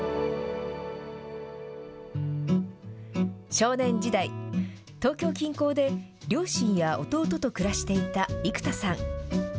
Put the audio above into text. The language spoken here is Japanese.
少年時代、東京近郊で両親や弟と暮らしていた生田さん。